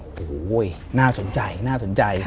โอ้โหน่าสนใจน่าสนใจ